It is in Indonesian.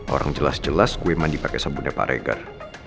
orang jelas jelas gue mandi pake sabunnya pak regar